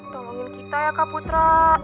tolongin kita ya kak putra